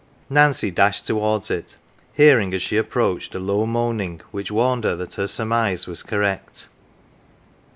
Nancy dashed towards it, hearing, as she approached, a low moaning which warned her that her surmise was correct.